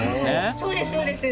そうです、そうです。